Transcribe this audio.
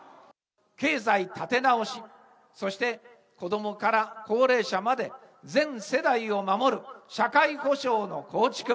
経済立て直し、そして子どもから高齢者まで、全世代を守る社会保障の構築。